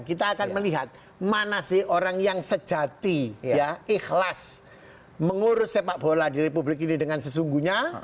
kita akan melihat mana sih orang yang sejati ikhlas mengurus sepak bola di republik ini dengan sesungguhnya